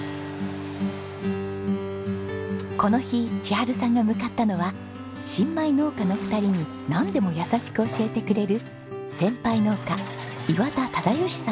この日千春さんが向かったのは新米農家の２人になんでも優しく教えてくれる先輩農家岩田忠昌さんのお宅です。